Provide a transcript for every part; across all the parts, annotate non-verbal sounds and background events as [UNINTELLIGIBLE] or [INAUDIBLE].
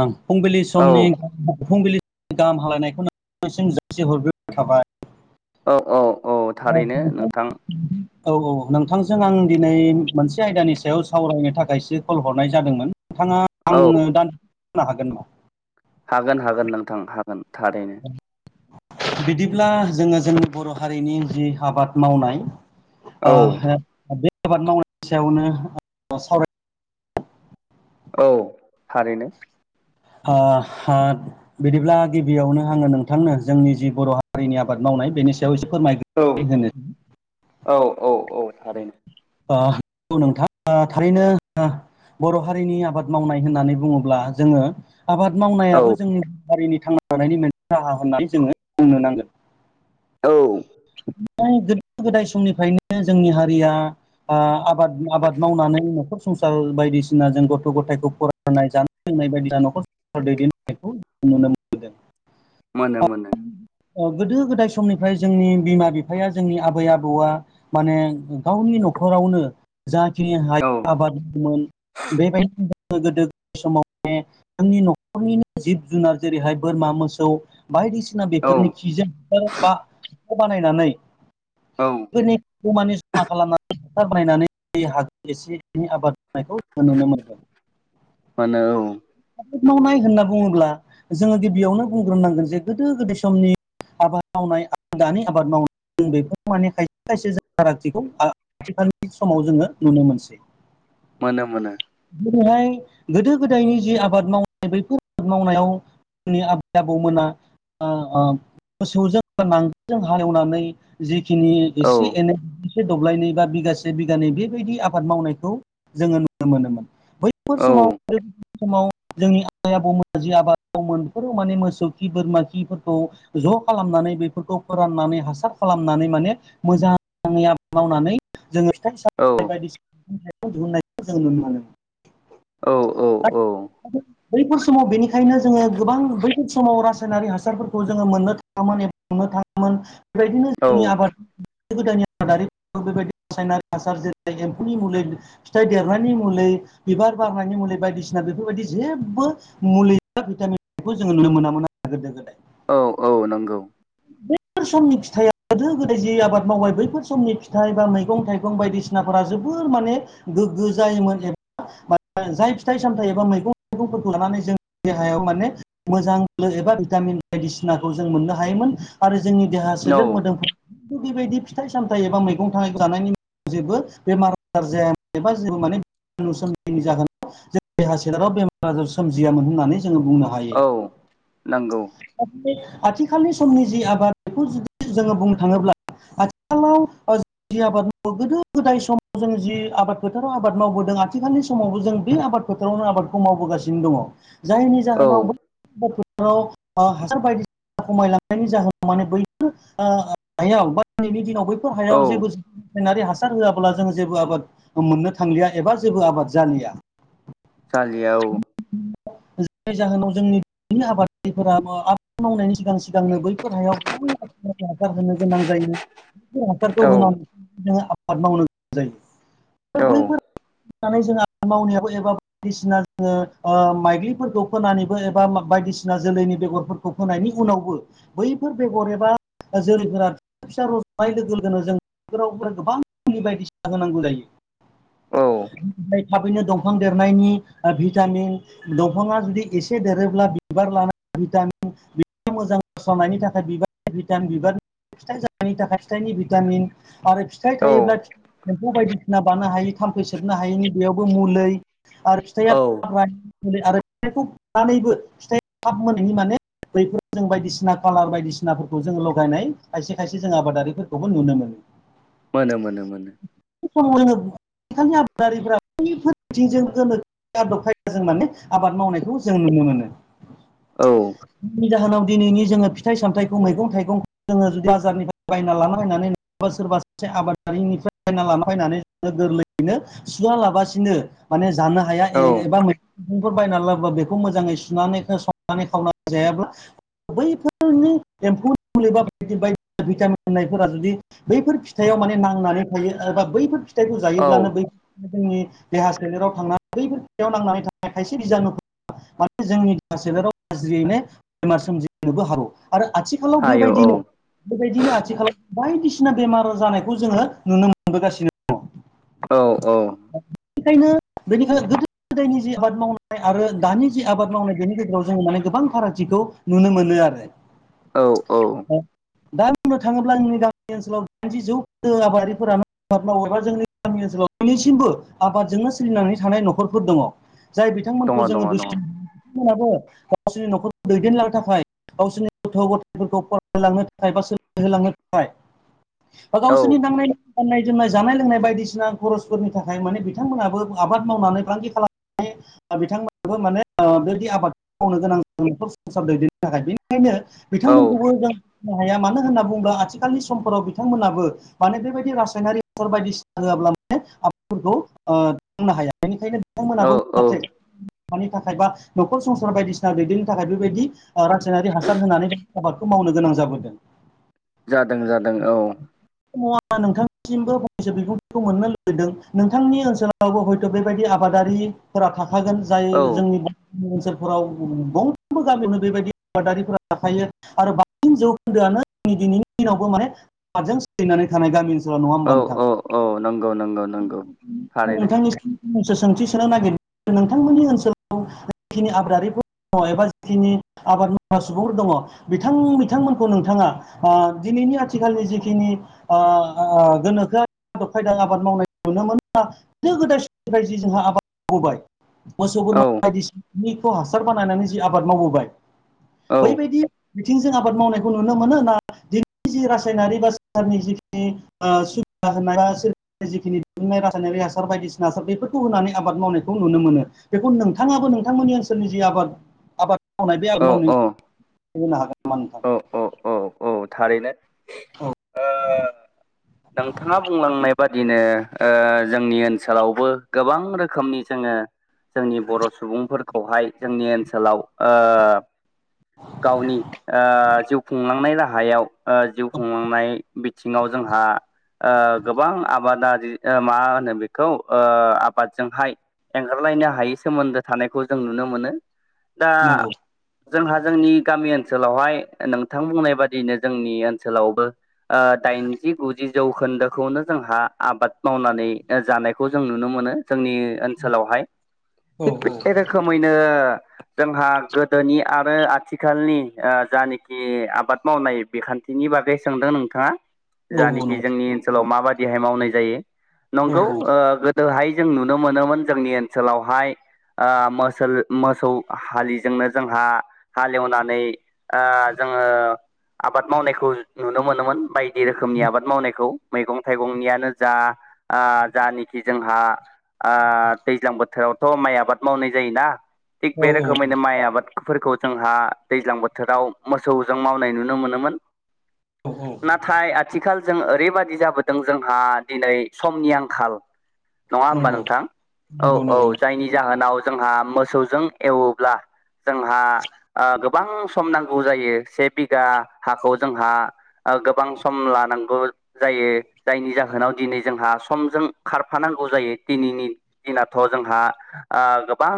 आं फुंबिलि औ समनि फुंबिलि गाहाम हालायनायखौ नोंथांनिसिम जासि हरग्रोनाय थाबाय। औ औ औ थारैनो नोंथा औ औ नोंथांजों आं दिनै मोनसे आयदानि सायाव सावरायनो थाखायसो कल हरनाय जादोंमोन नोंथां। औ आङो दा बुंनो हागोन नामा? हागोन हागोन नोंथां हागोन थारैनो। बिदिब्ला जोङो जोंनि बर' हारिनि जि आबाद मावनाय। बे औ आबाद मावनायनि सायावनो सावराय औ थारैनो। ओ हो बिदिब्ला गिबियावनो आङो नोंथांनो जोंनि जि बर' हारिनि आबाद मावनाय बेनि सायाव एसे फोरमायग्रोनि औ औ औ औ थारैनो। ओ नंगौ नोंथां थारैनो बर' हारिनि आबाद मावनाय होननानै बुङोब्ला जो आबाद मावनायाबो औ जोंनि हारिनि थांना थानायनि मोनसे राहा होननानै जोङो बुंनो नांगोन। औ। ओ गोदो-गोदाय समनिफ्रायनो जोंनि हारिया आबाद आबाद मावनानै न'खर संसार बायदिसिना जों गथ' गथायखौ फरायनो जानाय लोंनाय बायदि न'खर संसार दैदेननायखौ नुनो मोनदों। मानो मोनो। गोदो गोदाय समनिफ्राय जोंनि बिमा बिफाया जोंनि आबै-आबौआ माने गावनि न'खरावनो जाखिनि माय औ आबाद मावमोन बेबादिनो गोदोनि समाव माने जोंनि न'खरनिनो जिब-जुनार जेरैहाय बोरमा मोसौ बायदिसिना औ बेफोरनि खिजों [UNINTELLIGIBLE] बा बानायनानै औ। [UNINTELLIGIBLE] खालामनानै हासार बानायनानै एसे ऐनै आबाद मावनायखौ जों नुनो मोनगोनो। मानो औ। आाबाद मावनाय होनना बुङोब्ला जोङो गिबियावनो बुंग्रोनांगोन जे गोदो-गोदाय समनि आबाद मावनाय आरो दानि आबाद मावनाय ज बेफोर माने खायसे खायसे जों फारागथिखौ। खाथिखालनि समाव जोङो नुनो मोनसै मोनो मोनो दिनैहाय गोदो-गोदायनि जि आबाद मावनाय बैफोर आबाद मावनायाव जोंनि आबै-आबौमोना मोसौजों नांगोलजों हालेवनानै जिखिनि औ एसे एनै से दब्लायनै बा बिगासे बिगानै बेबायदि आबाद मावनायखौ जोङो नुनो मोनोमोन। बैफोर औ समाव ओ समाव जोंनि आबै आबौमोना जि आबादाव मो बेफोराव माने मोसौ खि बोरमा खिफोरखौ ज' खालामनानै बे फोरखौ फोराननानै हासार खालामनानै माने मोजाङै आबाद मावनानै जोङो औ [UNINTELLIGIBLE] बायदिसिनाखौ दिहुननायखौ जों नुनो मोनो। औ [UNINTELLIGIBLE] बैफोर समाव बेनिखायनो जोङो गोबां बैफोर समाव रासायनारि हासारफोरखौ जोङो मोननो थाङामोन। एबा संनो थाङोमोन बेबायदिनो औ जोंनि आबाद गोदो गोदायनि आबादारि बेबायदि रासायनारि हासार जेरै एम्फौनि मुलि फिथाइ देरनायनि मुलै बिबार बारनायनि मुलै बायदिसिना बेफोरबायदि जेबो मुलि बा भिटामिन खौबो जों नुनो मोनामोन आरो गोदो गोदाय। औ औ नोंगौ। बैफोर समनि फिथाइया गोदो गोदाय जि आबाद मावबाय बैफोर समनि फिथाइ बा मैगं थाइगं बायदि सिनाफोरा जोबोर माने गोग्गो जायोमोन। एबा जाय फिथाइ सामथाइ एबा मैगं थाइगंफोरखौ लानानै जों देहायाव माने मोजां बोलो एबा भिटामिन बायदिसिनाखौ जों मोननो हायोमोन आरो जोंनि देहा औ सोलेर मोदोम थिग बेबायदि फिथाइ सामथाइ एबा मैगं थायगं जानायनि जेबो बेमार आजार जाया एबा जेबो माने [UNINTELLIGIBLE] जाहोनाव जों देहा सोलेराव बेमार आजार सोमजियामोन होननानै जोङो बुंनो हायो औ नोंगौ। आथिखालनि समनि जि आबाद बेखौ जुदि जोङो बुंनो थाङोब्ला आथिखावलाव [UNINTELLIGIBLE] जि आबाद मावो गोदो गोदाय समाव जों जि आबाद फोथाराव आबाद मावबोदों। आथिखालनि समावबो जों बे आबाद फोथारावनो आबादखौ मावबोगासिनो दङ। जायनि औ जाहोनाव बै फोथाराव हासार बायदिसिना खमायलां नि जाहोनाव माने बैफोर ओ हायाव बा दिनैनि दिनाव बैफोर औ हायाव जेबो रासायनारि हासार होआब्ला जों जेबो आबाद मोननो थांलिया एबा जेबो आबाद जालिया। जालिया औ। जायनि जाहोनाव जोंनि हाबादारिफोरा आबाद मावनायनि सिगां सिगांनो बैफोर हायाव गोबां हासार होनो गोनां जायो। बेफोर हासारखौ औ होनानै जोङो आबाद मावनो गोनां जायो। औ बैफोर नानै जोंहा मावनायाव एबा बायदिसिना जोङो ओ माइग्लिफोरखौ फोनानैबो एबा बायदिसिना जोलैनि बेगरफोरखौ फोनायनि उनावबो बैफोर बेगर एबा जोलैफोरा फिसा फिसा रज'नाय लोगो लोगोनो जों बेफोराव गोबां रोखोमनि बायदिसिना होनांगौ जायो। थाबैनो दंफां देरनायनि ओ भि भिटामिन दंफाङा जुदि एसे देरोब्ला बिबार लानानै भिटामिन मोजां फसंनायनि थाखाय बिबारनि भिटामिन बिबारनि फिथाइ जानायनि थाखाय फिथाइनि भिटामिन। आरो फिथाइ औ थायोब्ला एम्फौ बायदिसिना बानो हायै थाम्फै सोबनो हायैनि बेयावबो मुलै आरो फिथाइया औ थाब आरो फिथायखौ खानानैबो फिथाइ थाब मोनैनि माने बैफोराव जों बायदिसिना कालार बायदिसिनाफोरखौ जोङो लगायनाय खायसे खायसे जों आबादारिफोरखौबो नुनो मोनो। मोनो मोनो मोनो। आथिखालाव जोंङो आबादारिफ्रा [UNINTELLIGIBLE] [UNINTELLIGIBLE] आदब खायदाजों माने आबाद मावनायखौ जों नुनो मोनो। औ नि जाहोनाव दिनैनि जोङो फिथाइ सामथाइखौ मैगं थाइगं जोङो जुदि बाजारनिफाय बायना लाना फैनानै नोङाबा सोरबा सासे आबादारिनिफ्राय फायना लाना फैनानै गोरलैयैनो सुवा लाबासिनो माने जानो हाया ए औ एबा मै गंखौ बायना लाबोबा बेखौ मोजाङै सुनानै संनानै खावना जायाब्ला बैफोरनि एम्फौ मुलि बा बायदि बायदि भिटामिन होननायफोरा जुदि बैफोर फिथायाव माने नांनानै थायो एबा बैफोर फिथाइखौ औ जायोब्लानो बै जोंनि देहा सोलेराव नांनानै बैफोरायाव नांनानै थानाय थायसे बिजानुखौ माने जोंनि सोलेराव गाज्रियैनो बेमार सोमजिनोबो हागौ आरो आथिखालाव हायो औ बेबायदिनो बेबायदिनो आथिखालाव बायदिसिना बेमार जानायखौ जोङो नुनो मोनबोगासिनो दं औ औ बेनिखायनो बेनिफ्राय गोदो गोदायनि जि आबाद मावनाय आरो दानि जि आबाद मावनाय बेनि गेजेराव जोङो माने गोबां फारागथिखौ नुनो मोनो आरो औ औ दा बुंनो थाङोब्ला जोंनि गामि ओनसोलाव दाइनजि जौखोन्दो आबादारि फोरानो आबाद मावो एबा जोंनि गामि ओनसोलाव दियैसिमबो आबादजोंनो सोलिनानै थानाय न'खरफोर दङ जाय दङ बिथांमोनखौ जोङो [UNINTELLIGIBLE] दङ दङ बिथांमोनाबो गावसोरनि न'खरखौ दैदेनलांनो थाखाय गावसोरनि गथ' गथायफोरखौ फरायहोलांनो थाखाय बा सोलोंथाय होलांनो थाखाय बा औ गावसोरनि नांनाय गाननाय जोमनाय जानाय लोंनाय बायदिसिना खरसफोरनि थाखाय माने बिथांमोनाबो आबाद मावनानै फालांगि खालाम [INAUDIBLE] बिथांमोनाबो माने बेबायदि आबाद मावनो गोनां न'खर संसार दैदेननो थाखाय बेनिखायनो औ बिथांमोनखौबो जोंनो बुंनो हाया मानो होनना बुङोब्ला आथिखालनि समफोराव बिथांमोनाबो माने बेबायदि बायदिसिना होआब्ला माने आबादफोरखौ बुंनो हाया बेनिखायनो औ बिथांमोनाबो औ [UNINTELLIGIBLE] मानि थाखाय बा न'खर संसार बायदिसिना दैदेननो थाखाय बेबायदि रासायनारि हासार होनानै आबादखौ मावनो गोनां जाबोदों जादों जादों औ [UNINTELLIGIBLE] नोंथां [UNINTELLIGIBLE] बिबुंथिखौ मोननो लुबैदों नोंथांनि ओनसोलावबो हयथ बेबायदि आबादारि फोर थाखाफागोन जाय औ जोंनि ओनसोल फोराव गंफ्रोमबो गामियावनो बेबायदि आबादारिफ्रा थाखायो आरो बांसिन जौखोन्दोआनो जों दिनैनि दिनावबो माने आबादजों सोलिनानै थानाय गामि ओनसोल नङा होमबा औ नोंथां औ औ नंगौ नंगौ नंगौ थारैनो नोंथांनि सोंथि सोनो नागिरदों नोंथांमोननि ओनसोलाव जाखिनि आबादारिफोर दङ एबा जिखिनि आबाद मावग्रा सुबुंफोर दङ बिथां बिथांमोनखौ नोंथाङा बा दिनैनि आथिखालनि जिखिनि आ [UNINTELLIGIBLE] मावबोबाय मोसौ बोरमा औ बायदिसिनानि खिखौ हासार बानायनानै जि आबाद मावबोबाय औ बैबायदि बिथिंजों आबाद मावनायखौ नुनो मोनो ना दिनैनि जि रासायनारि बा [UNINTELLIGIBLE] [UNINTELLIGIBLE] जिखिनि दिहुननाय रासायनारि हासार बायदिसिना हासार बेफोरखौ होनानै आबाद मावनायखौ नुनो मोनो बेखौ नोंथाङाबो नोंथांमोननि ओनसोलनि जि आबाद आबाद मावनाय बे औ आबाद मावनाय होनो हागोन नामा नोंथां [UNINTELLIGIBLE] औ थारैनो ओ नोंथाङा बुंलांनाय बादिनो ओ जोंनि ओनसोलावबो गोबां रोखोमनि जोङो जोंनि बर' सुबुंफोरखौहाय जोंनि ओनसोलाव ओ गावनि ओ जिउ खुंलांनाय राहायाव ओ जिउ खुंलांनाय बिथिङाव जोंहा ओ गोबां आबादारि ओ मा होनो बेखौ ओ आबादजोंहाय एंगारलायनो हायै सोमोन्दो थानायखौ जों नुनो मोनो दा जोंहा जोंनि गामि ओनसोलावहाय नोंथां बुंनाय बादिनो जोंनि ओनसोलावबो ओ दाइनजि गु जि जौखोन्दोखौनो जोंहा आबाद मावनानै जानायखौ जों नुनो मोनो जोंनि ओनसोलावहाय थिग हागोन बे रोखोमैनो जोंहा गोदोनि आरो आथिखालनि ओ जानोखि आबाद मावनाय बिखान बिनि बागै सोंदों नोंथाङा नामा नोंथां औ नंगौ जानोखि जोंनि ओनसोलाव माबादिहाय मावनाय जायो औ नंगौ ओ दोहाय जों नुनो मोनोमोन जोंनि ओनसोलावहाय ओ मोसोल मोसौ हालिजोंनो जोंहा हालेवनानै ओ जोङो आबाद मावनायखौ नुनो मोनोमोन बायदि रोखोमनि आबाद मावनायखौ मैगं थाइगंनियानो जा आ जानोखि जोंहा आ दैज्लां बोथोरावथ' माइ आबाद मावनाय जायोना थिग औ नंगौ औ बे रोखोमैनो माइ आबाद फोरखौ जोंहा दैज्लां बोथोराव मोसौजों मावनाय नुनो मोनोमोन नाथाय आथिखाल जों ओरैबादि जाबोदों जोंहा दिनै समनि आंखाल नङा औ होमबा औ नोंथां औ नंगौ नंगौ औ जायनि जाहोनाव जोंहा मोसौजों एवोब्ला जोंहा ओ गोबां सम नांगौ जायो से बिघा हाखौ जोंहा ओ गोबां सम लानांगौ जायो जायनि जाहोनाव दिनै जोंहा समजों खारफानांगौ जायो दिनैनि दिनाथ' जोंहा ओ गोबां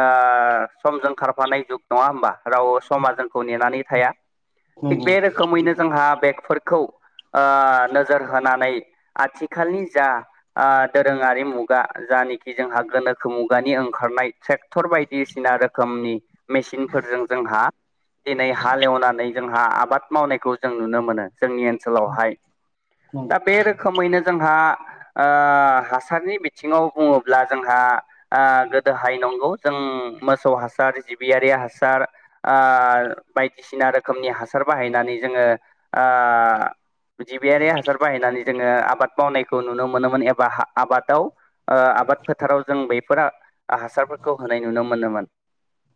ओ समजों खारफानाय जुग नङा होमबा राव समा जोंखौ नेनानै थाया थिग नंगौ बे रोखोमैनो जोंहा बेगफोरखौ ओ नोजोर होनानै आथिखालनि जा ओ दोरोङारि मुगा जानोखि जोंहा गोनोखो मुगानि ओंखारनाय ट्रेक् टर बायदिसिना रोखोमनि मेसिनफोरजों जोंहा दिनै हालेवनानै जों हा आबाद मावनायखौ जों नुनो मोनो जोंनि ओनसोलावहाय दा बे रोखोमैनो जोंहा ओ हासारनि बिथिङाव बुङोब्ला जोंहा ओ गोदोहाय नंगौ जों मोसौ हासार जिबियारि हासार ओ बायदिसिना रोखोमनि हासार बाहायनानै जोङो ओ जिबियारि हासार बाहायनानै जोङो आबाद मावनायखौ नुनो मोनोमोन एबा आबादाव ओ आबाद फोथाराव जों बैफोर हासारफोरखौ होनाय नुनो मोनोमोन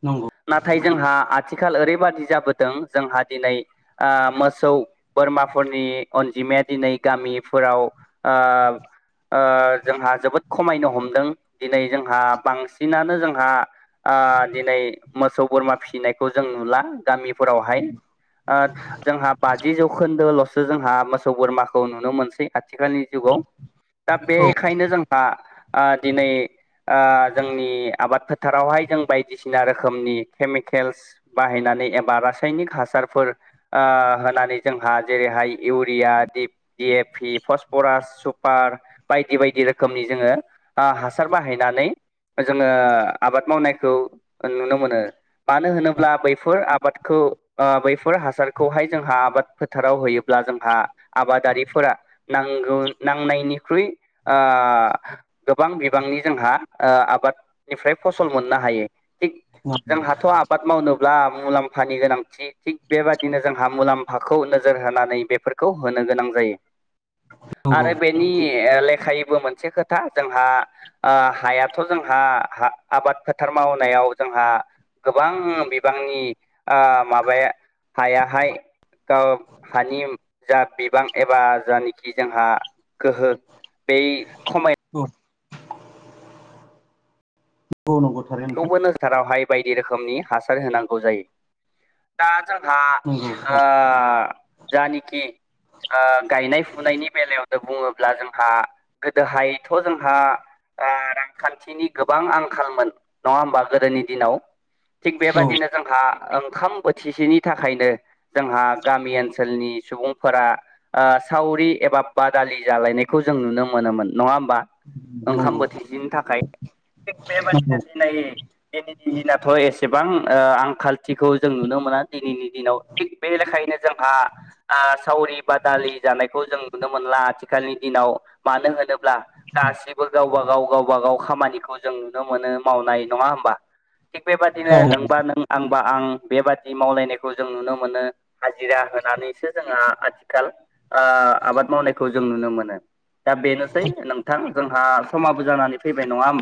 नंगौ नाथाय जोंहा आथिखाल ओरैबादि जाबोदों जोंहा दिनै ओ मोसौ बोरमाफोरनि अनजिमाया दिनै गामिफोराव ओ ओ जोंहा जोबोद खमायनो हमदों दिनै जोंहा बांसिनानो जोंहा ओ दिनै मोसौ बोरमा फिसिनायखौ जों नुला गामिफोरावहाय ओ जोंहा बाजि जौखोन्दोल'सो जोंहा मोसौ बोरमाखौ नुनो मोनसै आथिखालनि जुगाव दा बेखायनो जों हा ओ दिनै ओ जोंनि आबाद फोथारावहाय जों बायदिसिना रोखोमनि केमिकेल्स बाहायनानै एबा रासायनिक हासारफोर होनानै ओ जोंहा जेरैहाय इउरिया [UNINTELLIGIBLE] पि फसफरास सुपार बायदि बायदि रोखोमनि जोङो आ हासार बाहायनानै जोङो आबाद मावनायखौ नुनो मोनो मानो होनोब्ला बैफोर आबादखौ ओ बैफोर हासारखौहाय जोंहा आबाद फोथाराव होयो ब्ला जोंहा आबादारिफोरा नांगौ नांनायनिख्रुइ ओ गोबां बिबांनि जोंहा ओ आबादनिफ्राय फसल मोननो हायो थिग जों नंगौ हाथ' आबाद मावनोब्ला मुलाम्फानि गोनांथि थिग बेबादिनो जोंहा मुलाम्फाखौ नोजोर होनानै बेफोरखौ होनो गोनां जायो नंगौ आरो बे नि लेखायैबो मोनसे खोथा जोंहा ओ हायाथ' जोंहा आबाद फोथार मावनायाव जोंहा गोबां बिबांनि माबाया हाया हाय हानि जा बिबां एबा जानाखि जोंहा गोहो बै खमाय औ औ नंगौ थारैनो नोंथां फोथारावहाय बायदि रोखोमनि हासार होनांगौ जायो दा जोंहा जानाखि गायनाय फुनायनि बेलायावनो बुङोब्ला जोंहा गोदोहायथ' जोंहा रांखान्थिनि गोबां आंखालमोन नङा होमबा गोदोनि दिनाव थिग नंगौ औ बेबादिनो जोंहा ओंखाम बोथिसेनि थाखायनो जोंहा गामि ओनसोलनि सुबुंफोरा सावरि एबा बादालि जालायनायखौ जों नुनो मोनोमोन नङा होमबा ओंखाम नंगौ बोथिसेनि थाखाय थिग नंगौ बेबायदिनो दिनै दिनैनि दिनाथ' एसेबां आंखालथिखौ जों नुनो मोना दिनैनि दिनाव थिग बेनिखायनो जोंहा सावरि बादालि जानायखौ जों नुनो मोनला आथिखालनि दिनाव मानो होनोब्ला गासैबो गावबा गाव गावबा गाव खामानिखौ जों नुनो मोनो मावनाय नङा होमबा थिग बेबायदिनो औ नोंबा नों आंबा आं बेबादि मावलायनायखौ जों नुनो मोनो हाजिरा होनानैसो जोंहा आथिखाल आबाद मावनायखौ जों नुनो मोनो दा बेनोसै नोंथां जोंहा समाबो जानानै फैबाय नङा होनबा